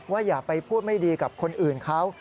อย่าไปพูดไม่ดีกับคนอื่นเขา